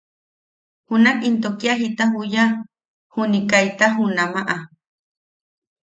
Junak into kia jita juya juniʼi kaita junamaʼa.